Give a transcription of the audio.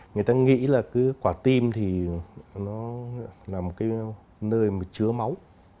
người ta nghĩ là quả tim là nơi chứa máu